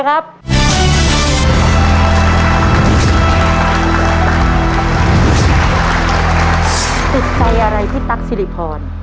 ตัดใส่อะไรที่ต๊ักสิริพร